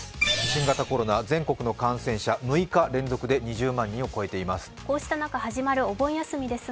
新型コロナ、全国の感染者６日連続で２０万人を超えています。